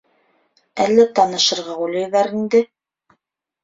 Әллә танышырға уйлайҙар инде?